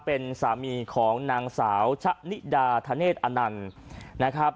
เป็นสามีของนางสาวชะนิดาธเนธอนันต์นะครับ